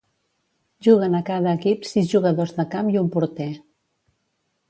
Juguen a cada equip sis jugadors de camp i un porter.